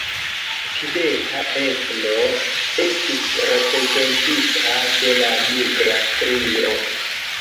Tibeta etno estis reprezentita de la nigra strio.